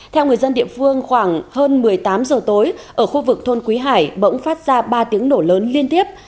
theo người dân địa phương khoảng hơn một mươi tám giờ tối ở khu vực thôn quý hải bỗng phát ra ba tiếng nổ lớn liên tiếp